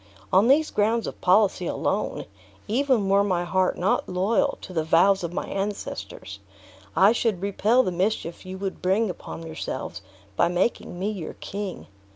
On these grounds of policy alone, even were my heart not loyal to the vows of my ancestors, I should repel the mischief you would bring upon yourselves by making me your king.